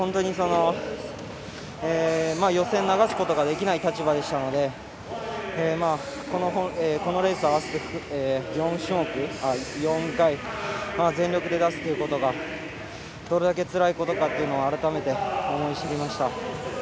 予選、流すことができない立場でしたのでこのレース合わせて４回全力を出すということがどれだけつらいことかを改めて思い知りました。